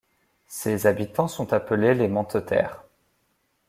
Ses habitants sont appelés les Mantetaires.